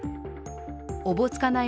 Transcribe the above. おぼつかない